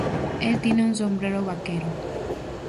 Él tiene un sombrero de vaquero.